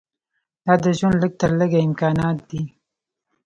دا د ژوند لږ تر لږه امکانات دي.